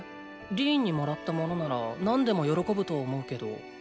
リーンに貰ったものなら何でも喜ぶと思うけど。